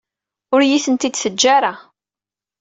Ur iyi-tent-id-teǧǧa ara.